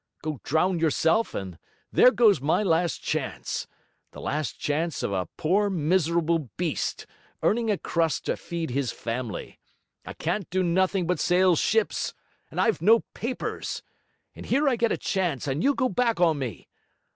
Go drown yourself, and there goes my last chance the last chance of a poor miserable beast, earning a crust to feed his family. I can't do nothing but sail ships, and I've no papers. And here I get a chance, and you go back on me!